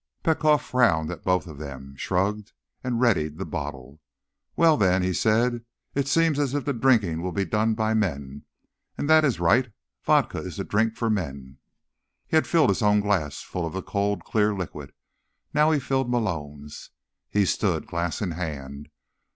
Petkoff frowned at both of them, shrugged, and readied the bottle. "Well, then," he said. "It seems as if the drinking will be done by men—and that is right. Vodka is the drink for men." He had filled his own glass full of the cold, clear liquid. Now he filled Malone's. He stood, glass in hand.